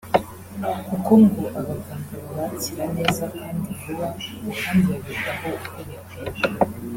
kuko ngo abaganga babakira neza kandi vuba ngo kandi babitaho uko bikwiye